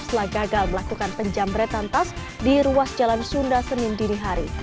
setelah gagal melakukan penjamretan tas di ruas jalan sunda senin dinihari